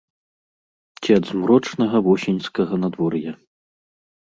Ці ад змрочнага восеньскага надвор'я.